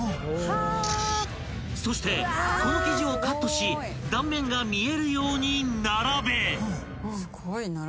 ［そしてこの生地をカットし断面が見えるように並べ］